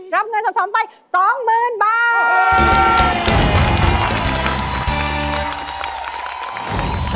รับเงินสะสมไป๒๐๐๐บาท